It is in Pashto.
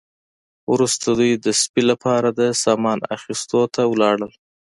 وروسته دوی د سپي لپاره د سامان اخیستلو ته لاړل